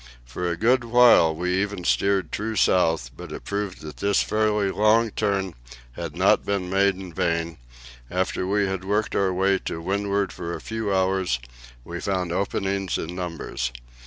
For a good while we even steered true south, but it proved that this fairly long turn had not been made in vain; after we had worked our way to windward for a few hours, we found openings in numbers.